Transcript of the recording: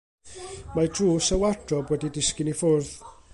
Mae drws y wardrob wedi disgyn i ffwrdd.